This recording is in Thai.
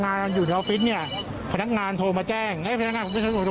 น้ำมันที่ถูกไฟไหม้ในครั้งนี้เป็นของที่เหลือจากเหตุไฟไหม้เมื่อเดือนเมษายนที่ผ่านมาค่ะ